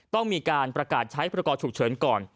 ต้องมีการประกาศใช้ประกอฉุกเฉินก่อน